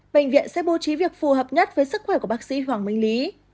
bệnh viện sẽ bố trí việc phù hợp nhất với sức khỏe của bác sĩ hoàng minh lý